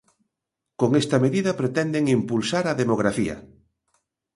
Con esta mediada pretenden impulsar a demografía.